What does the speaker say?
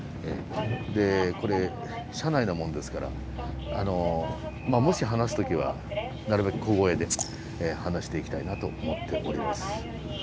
でこれ車内なもんですからもし話す時はなるべく小声で話していきたいなと思っております。